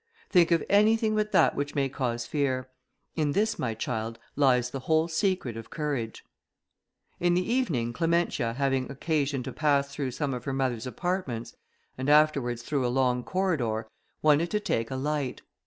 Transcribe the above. Think of anything but that which may cause fear. In this, my child, lies the whole secret of courage." In the evening, Clementia, having occasion to pass through some of her mother's apartments, and afterwards through a long corridor, wanted to take a light.